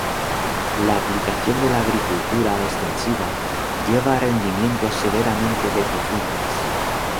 La aplicación de la agricultura extensiva lleva a rendimientos severamente decrecientes.